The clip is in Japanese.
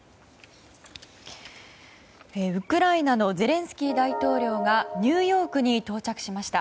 ウクライナのゼレンスキー大統領がニューヨークに到着しました。